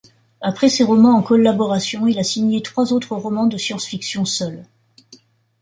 Après ces romans en collaboration, il a signé trois autres romans de science-fiction seul.